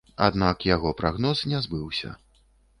Аднак яго прагноз не збыўся.